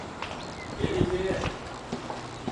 Geleceğe!